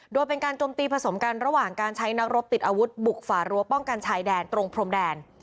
โดยเป็นการจมตีผสมกันระหว่างการใช้นักรบติดอาวุธบุกฝ่ารั้วป้องกันชายแดนตรงพรมแดน